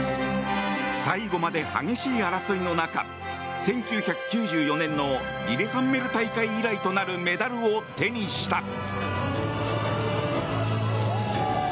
最後まで激しい争いの中１９９４年のリレハンメル大会以来となるメダルを手にした。